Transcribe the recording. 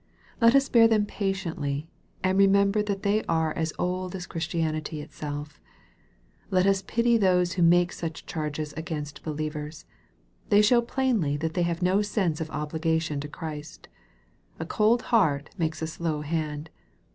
Let us bear them patiently, and remember that they are as old as Christianity itself. Let us pity those who make such charges against believers. They show plainly that they have no sense of obligation to Christ. A cold heart makes a slow hand.